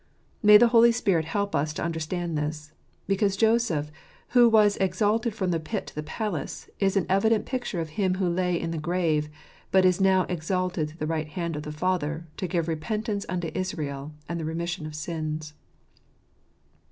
May the Holy Spirit help us to under stand this ; because Joseph, who was exalted from the pit to the palace, is an evident picture of Him who lay in the grave, but is now exalted to the right hand of the Father to give repentance unto Israel and the remission of sins